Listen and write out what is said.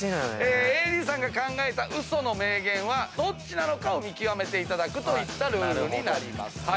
ＡＤさんが考えたウソの名言はどっちなのかを見極めていただくといったルールになります。